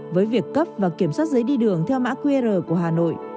với việc cấp và kiểm soát giấy đi đường theo mã qr của hà nội